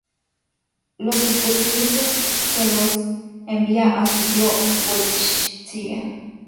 Los especímenes se los envía a su tío en Schwetzingen.